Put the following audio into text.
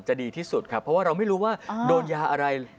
ดีที่สุดครับเพราะว่าเราไม่รู้ว่าโดนยาอะไร